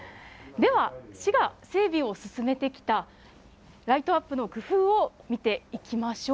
では市が整備を進めてきたライトアップの工夫を見ていきましょう。